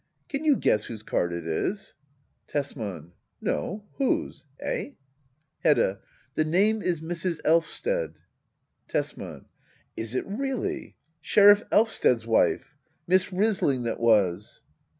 Can you guess whose card it is ? Tesman. No. Whose? Eh? Hedda. The name is " Mrs. Elvsted." Tesman. Is it really ? Sheriff Elvsted's wife I Miss Rysing that was.